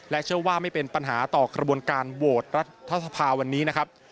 เชื่อว่าไม่เป็นปัญหาต่อกระบวนการโหวตรัฐสภาวันนี้นะครับ